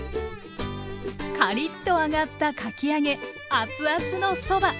カリッと揚がったかき揚げ熱々のそば。